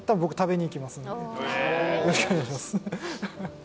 よろしくお願いします